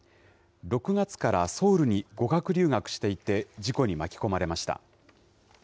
６月からソウルに語学留学していて、事故に巻き込まれました。